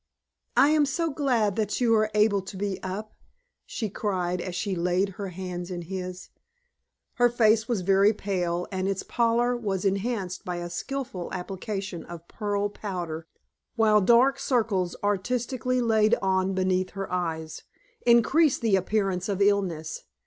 "I am so glad that you are able to be up!" she cried, as she laid her hands in his. Her face was very pale, and its pallor was enhanced by a skillful application of pearl powder, while dark circles, artistically laid on beneath her eyes, increased the appearance of illness.